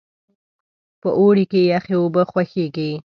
په اوړي کې یخې اوبه خوښیږي.